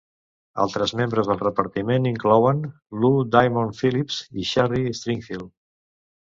Altres membres del repartiment inclouen Lou Diamond Phillips i Sherry Stringfield.